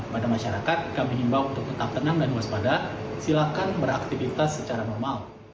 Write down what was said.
pada masyarakat kami himbau untuk tetap tenang dan waspada silakan beraktivitas secara normal